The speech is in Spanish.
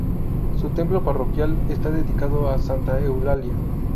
Su templo parroquial está dedicado a Santa Eulalia.